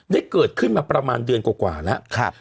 เกิดขึ้นมาประมาณเดือนกว่าแล้ว